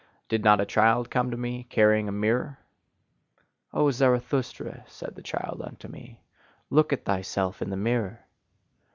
Did not a child come to me, carrying a mirror? "O Zarathustra" said the child unto me "look at thyself in the mirror!"